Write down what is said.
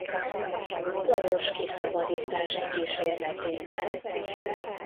Lajos kiszabadítási kísérletében.